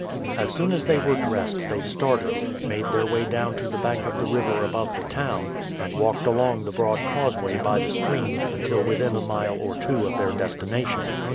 As soon as they were dressed they started, made their way down to the bank of the river above the town, and walked along the broad causeway by the stream until within a mile or two of their destination.